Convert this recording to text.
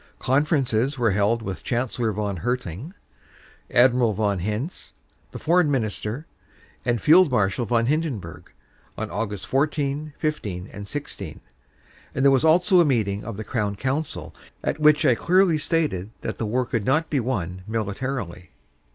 "Conferences were held with Chancellor von Hertling, Admiral von Hintz, the foreign minister, and Field Marshal von Hindenburg, on Aug. 14, 15 and 16, and there was also a meeting of the Crown Council at which I clearly stated that the war could not be won militarily."